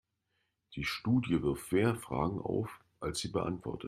Die Studie wirft mehr Fragen auf, als sie beantwortet.